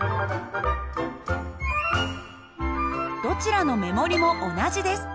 どちらの目盛りも同じです。